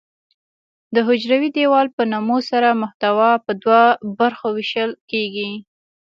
د حجروي دیوال په نمو سره محتوا په دوه برخو ویشل کیږي.